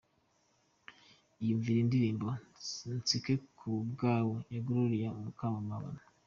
Iyumvire Indirimbo "Nseka ku bwawe ya Goloriya Mukamabano.